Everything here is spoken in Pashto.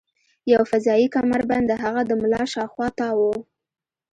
یو فضايي کمربند د هغه د ملا شاوخوا تاو و